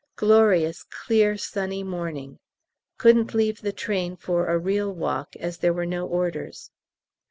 Glorious, clear, sunny morning. Couldn't leave the train for a real walk, as there were no orders.